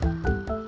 ya udah deh